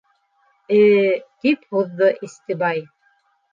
— Э... — тип һуҙҙы Истебай.